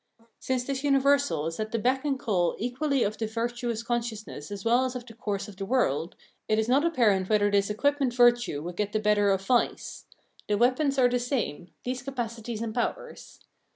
Since this universal is at the beck and call equally of the virtuous consciousness as well as of the course of the world, it is not apparent whether with this equipment virtue wUl get the better of vice. The weapons are the same— these capacities and powers.